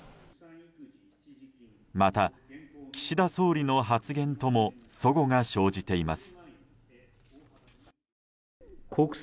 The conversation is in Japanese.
また、岸田総理の発言とも齟齬が生じています。